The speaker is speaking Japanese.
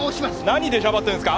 何出しゃばってんすか！